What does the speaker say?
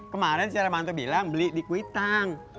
kemaren si rahmanto bilang beli di kuitang